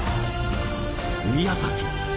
宮崎